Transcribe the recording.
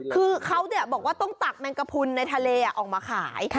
คือเขาบอกว่าต้องตักแมงกระพุนในทะเลออกมาขาย